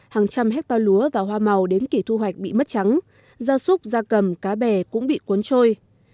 hàng trăm hecta lúa và hoa màu đến kỷ thu hoạch bị mất trắng da súc da cầm cá bè cũng bị cuốn trôi